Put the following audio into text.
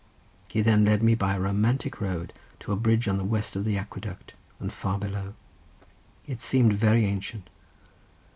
He then led me by a romantic road to a bridge on the west of the aqueduct, and far below. It seemed very ancient.